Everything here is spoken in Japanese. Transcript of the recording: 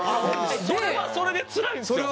それはそれでつらいんですよ。